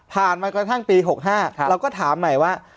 มากระทั่งปี๖๕เราก็ถามใหม่ว่า